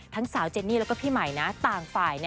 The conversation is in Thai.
ทั้งสาวเจนี่และพี่ไหมนะต่างฝ่าย